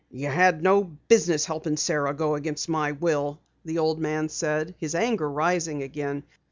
"You had no business helping Sara go against my will," the old man said, his anger rising again.